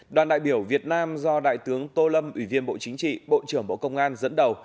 đoàn đại biểu việt nam do đại tướng tô lâm ủy viên bộ chính trị bộ trưởng bộ công an dẫn đầu